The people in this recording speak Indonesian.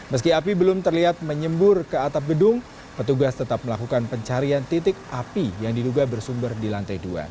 meski api belum terlihat menyembur ke atap gedung petugas tetap melakukan pencarian titik api yang diduga bersumber di lantai dua